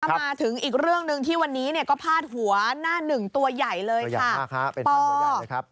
มาถึงอีกเรื่องหนึ่งที่วันนี้เนี่ยก็พาดหัวหน้าหนึ่งตัวใหญ่เลยค่ะ